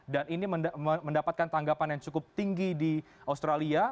dan ini mendapatkan tanggapan yang cukup tinggi di australia